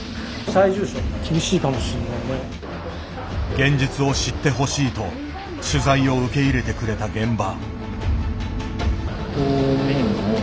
「現実を知ってほしい」と取材を受け入れてくれた現場。